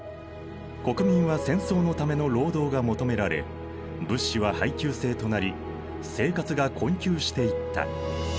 国民は戦争のための労働が求められ物資は配給制となり生活が困窮していった。